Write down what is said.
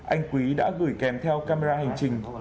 anh quý đã gửi kèm theo camera hành trình